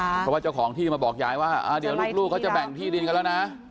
เพราะว่าเจ้าของที่มาบอกยายว่าเดี๋ยวลูกเขาจะแบ่งที่ดินกันแล้วนะ